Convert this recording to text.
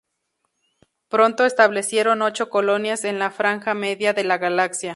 Pronto establecieron ocho colonias en la "Franja Media" de la galaxia.